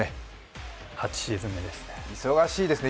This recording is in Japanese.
８シーズン目、忙しいですね